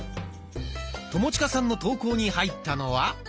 友近さんの投稿に入ったのは。